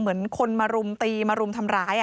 เหมือนคนมารุมตีมารุมทำร้าย